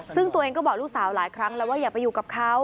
ซึ่งตัวเองก็บอกลูกสาวหลายครั้งแล้วว่าอย่าไปอยู่กับเขา